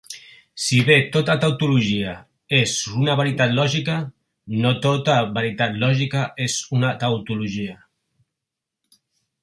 Si bé tota tautologia és una veritat lògica, no tota veritat lògica és una tautologia.